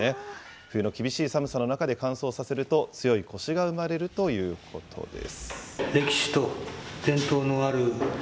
冬の厳しい寒さの中で乾燥させると強いこしが生まれるということです。